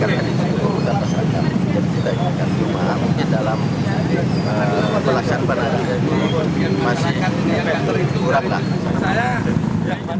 kita inginkan rumah di dalam belasan penara jadi masih kurang